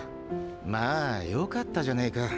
まぁ良かったじゃねぇか